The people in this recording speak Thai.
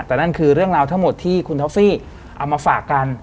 แต่นั่นคือเรื่องราวทั้งหมดที่คุณท็อฟฟี่เอามาฝากกัน